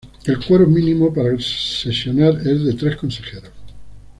El quórum mínimo para sesionar es de tres consejeros.